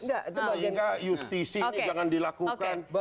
sehingga justisi ini jangan dilakukan